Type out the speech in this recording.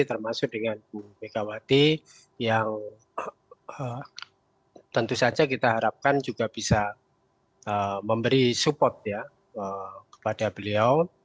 termasuk dengan bu megawati yang tentu saja kita harapkan juga bisa memberi support ya kepada beliau